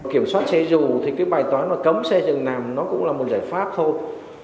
kiểm soát xe nhuộm thì cái bài toán cấm xe dừng nằm nó cũng là một giải pháp thôi